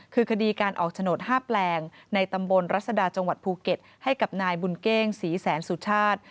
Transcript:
คือคดีการออกโฉนด๕แปลงในตำบลรัศดาจังหวัดภูเก็ตให้กับนายบุญเก้งศรีแสนสุชาติ